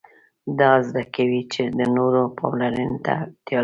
دا زده کوي چې د نورو پاملرنې ته اړتیا لري.